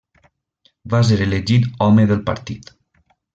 Va ser elegit home del partit.